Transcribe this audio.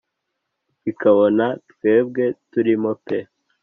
ikabona twebwe turimo pe